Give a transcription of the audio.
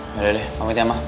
yaudah deh pamit ya ma